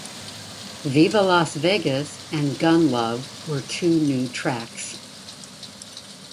"Viva Las Vegas" and "Gun Love" were two new tracks.